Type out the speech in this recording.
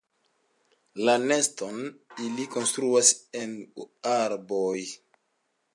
La neston ili konstruas en arboj.